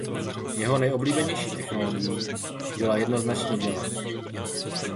Jeho nejoblíbenější technologií byla jednoznačně Java.